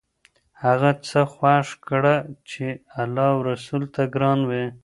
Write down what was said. هغه څه خوښ کړه چې الله او رسول ته ګران وي.